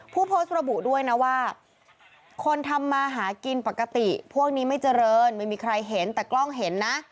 ผู้โพสต์ระบุด้วยนะว่าคนทำมาหากินปกติพวกนี้ไม่เจริญไม่มีใครเห็นแต่กล้องเห็นนะ